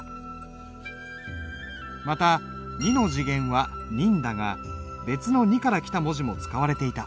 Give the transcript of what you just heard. また「に」の字源は「仁」だが別の「尓」から来た文字も使われていた。